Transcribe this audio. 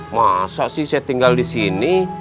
masa sih saya tinggal di sini